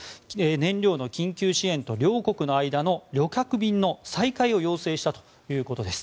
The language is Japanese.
燃料の緊急支援と両国の間の旅客便の再開を要請したということです。